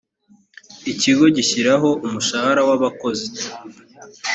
ikigo gishyiraho umushahara wabakozi.